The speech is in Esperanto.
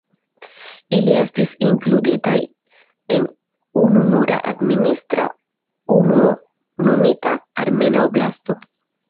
Ili estis inkluditaj en ununura administra unuo nomita Armena Oblasto.